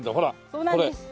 そうなんです。